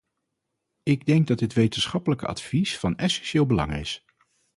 Ik denk dat dit wetenschappelijke advies van essentieel belang is.